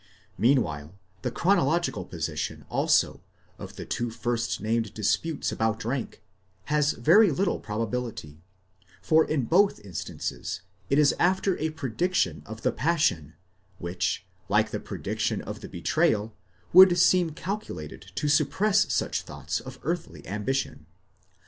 Meanwhile the chronological position, also, of the two first named disputes about rank, has very little probability ; for in both instances, it is after a prediction of the passion, which, like the prediction of the betrayal, would seem calculated to suppress such thoughts of earthly ambition.